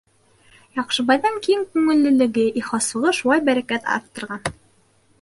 Яҡшыбайҙың киң күңеллелеге, ихласлығы шулай бәрәкәт арттырған.